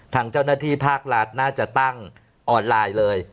ทางเจ้าหน้าที่ภาครัฐน่าจะตั้งออนไลน์เลย